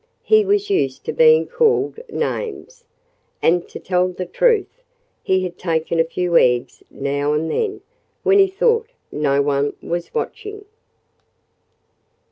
He was used to being called names. And to tell the truth, he had taken a few eggs now and then when he thought no one was watching.